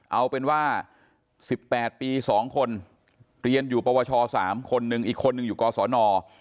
เอาเป็นว่า๑๘ปี๒คนเรียนอยู่ปวช๓คนหนึ่งอีกคนนึงอยู่กศน